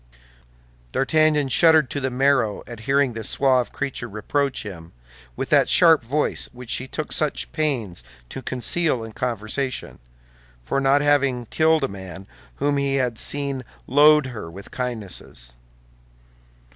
D'Artagnan shuddered to the marrow at hearing this suave creature reproach him, with that sharp voice which she took such pains to conceal in conversation, for not having killed a man whom he had seen load her with kindnesses.